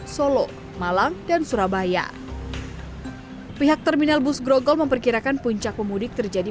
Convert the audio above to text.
solo malang dan surabaya pihak terminal bus grogol memperkirakan puncak pemudik terjadi